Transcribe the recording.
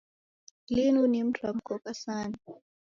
Linu ni mramko kasanu.